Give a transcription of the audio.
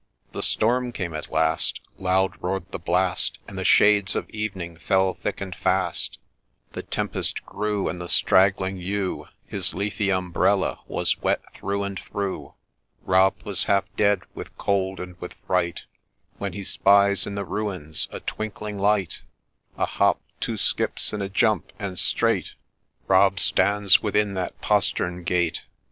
THE WITCHES' FROLIC 98 The storm came at last, — loud roar'd the blast, And the shades of evening fell thick and fast ; The tempest grew ; and the straggling yew, His leafy umbrella, was wet through and through ; Rob was half dead with cold and with fright, When he spies in the Ruins a twinkling light— A hop, two skips, and a jump, and straight Rob stands within 'that postern gate.